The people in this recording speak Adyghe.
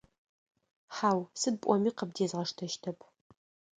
Хьау, сыд пӏоми къыбдезгъэштэщтэп.